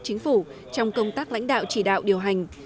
chính phủ trong công tác lãnh đạo chỉ đạo điều hành